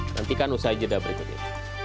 nantikan usai jeda berikutnya